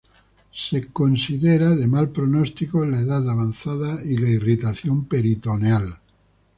Se considera de mal pronostico la edad avanzada y la irritación peritoneal.